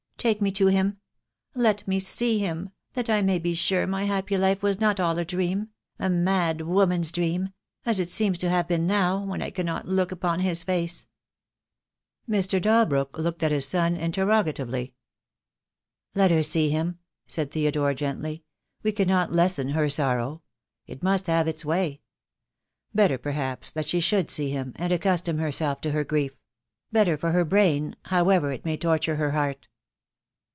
Take me to him. Let me see him — that I may be sure my happy life was not all a dream — a mad woman's dream — as it seems to have been now, when I cannot look upon his face." Mr. Dalbrook looked at his son interrogatively. "Let her see him," said Theodore, gently. "We can not lessen her sorrow. It must have its way. Better perhaps that she should see him, and accustom herself to her grief; better for her brain, however it may torture her heart."